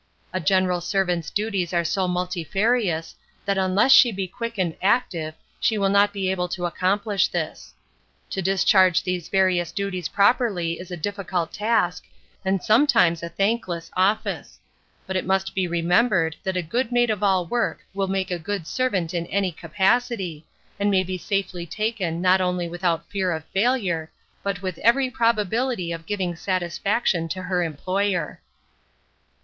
A general servant's duties are so multifarious, that unless she be quick and active, she will not be able to accomplish this. To discharge these various duties properly is a difficult task, and sometimes a thankless office; but it must be remembered that a good maid of all work will make a good servant in any capacity, and may be safely taken not only without fear of failure, but with every probability of giving satisfaction to her employer.